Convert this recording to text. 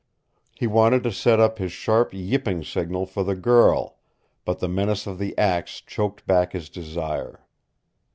He wanted to set up his sharp yipping signal for the girl, but the menace of the axe choked back his desire.